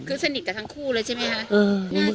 คือสนิทกับทั้งคู่เลยใช่ไหมคะ